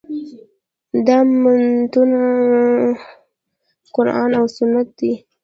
دا متنونه قران او سنت دي.